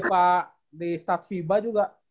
muka di start fiba juga